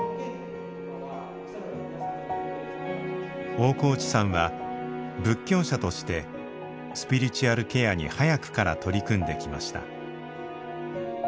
大河内さんは仏教者としてスピリチュアルケアに早くから取り組んできました。